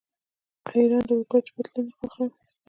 آیا ایران د اورګاډي پټلۍ نه پراخوي؟